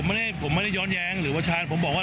ที่สำคัญผอครอบครัวเพื่อไทยบอกว่า